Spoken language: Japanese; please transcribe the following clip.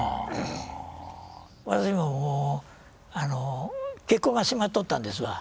私ももう結婚が迫っとったんですわ。